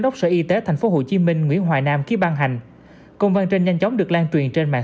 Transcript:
đốc sở y tế tp hcm nguyễn hoài nam ký ban hành công văn trên nhanh chóng được lan truyền trên mạng